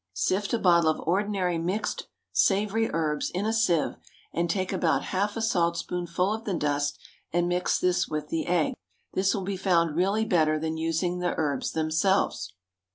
Sift a bottle of ordinary mixed savoury herbs in a sieve, and take about half a saltspoonful of the dust and mix this with the egg, This will be found really better than using the herbs themselves.